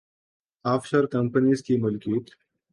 of شور کمپنیوں کی ملکیت‘